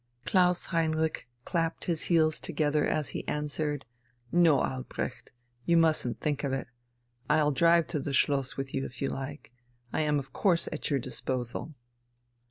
Klaus Heinrich clapped his heels together as he answered: "No, Albrecht, you mustn't think of it! I'll drive to the Schloss with you if you like. I am of course at your disposal."